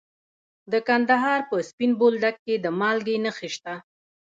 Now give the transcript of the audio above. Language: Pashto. د کندهار په سپین بولدک کې د مالګې نښې شته.